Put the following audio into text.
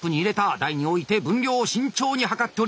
台に置いて分量を慎重に量っております。